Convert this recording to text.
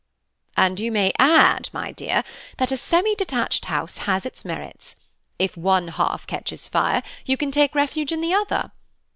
"And you may add, my dear, that a semi detached house has its merits; if one half catches fire, you can take refuge in the other.